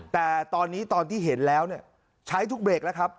แต่ตอนนี้ตอนที่เห็นแล้วใช้ทุกเบรกแล้วครับ